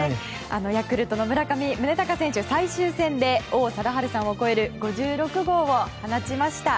ヤクルトの村上宗隆選手最終戦で、王貞治さんを超える５６号を放ちました。